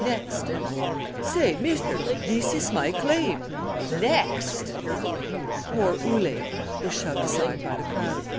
Next!" "Say! mister, this is my claim." "Next!" Poor Ole was shoved aside by the crowd.